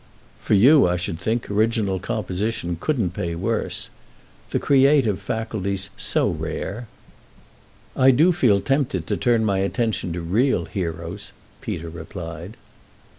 "For you, I should think, original composition couldn't pay worse. The creative faculty's so rare." "I do feel tempted to turn my attention to real heroes," Peter replied.